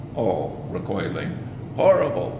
ALL (recoiling). Horrible!